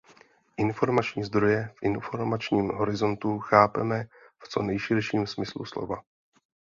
Informační zdroje v informačním horizontu chápeme v co nejširším smyslu slova.